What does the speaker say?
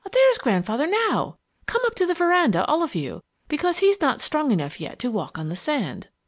There's Grandfather now! Come up to the veranda, all of you, because he's not strong enough yet to walk on the sand."